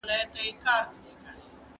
د سر پخه د وچوالي او غوړ سبب ګرځي.